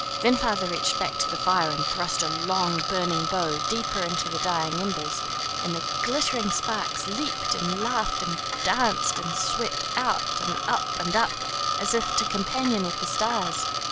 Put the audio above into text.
Then father reached back to the fire and thrust a long, burning bough deeper into the dying embers, and the glittering sparks leaped and laughed and danced and swept out and up and up as if to companion with the stars.